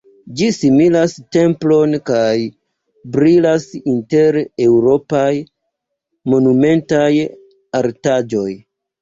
Ĝi similas templon kaj brilas inter eŭropaj monumentaj artaĵoj!